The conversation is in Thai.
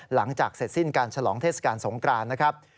หลังจากเสร็จสิ้นการฉลองเทศกาลสงกรานนะครับ